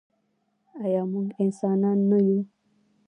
آیا موږ انسانان نه یو؟